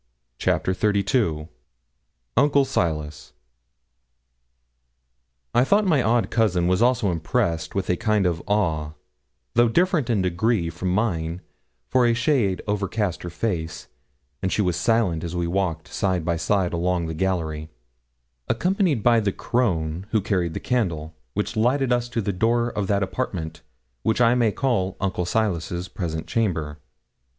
CHAPTER XXXII UNCLE SILAS I thought my odd cousin was also impressed with a kind of awe, though different in degree from mine, for a shade overcast her face, and she was silent as we walked side by side along the gallery, accompanied by the crone who carried the candle which lighted us to the door of that apartment which I may call Uncle Silas's presence chamber.